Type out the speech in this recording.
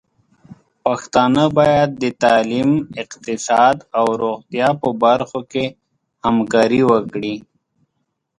پښتانه بايد د تعليم، اقتصاد او روغتيا په برخو کې همکاري وکړي.